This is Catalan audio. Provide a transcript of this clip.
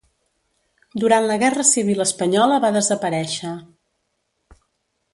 Durant la guerra civil espanyola va desaparèixer.